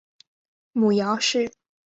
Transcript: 母姚氏。